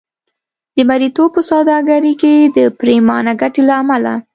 د مریتوب په سوداګرۍ کې د پرېمانه ګټې له امله.